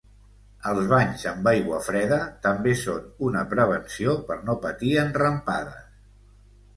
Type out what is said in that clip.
Els banys amb aigua freda, també són una prevenció per no patir enrampades.